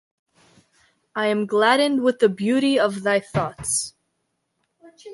I am gladdened with the beauty of thy thoughts.